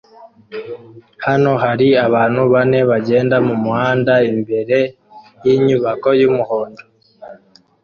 Hano hari abantu bane bagenda mumuhanda imbere yinyubako yumuhondo